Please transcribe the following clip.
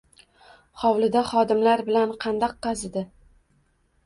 Hovlida xodimlar bilan xandaq qazidi.